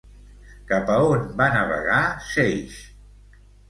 Cap a on va navegar Ceix?